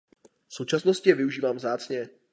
V současnosti je využíván vzácně.